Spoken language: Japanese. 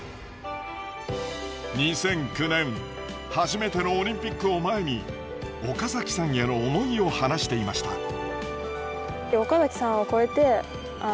２００９年初めてのオリンピックを前に岡崎さんへの思いを話していました。